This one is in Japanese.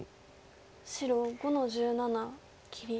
白５の十七切り。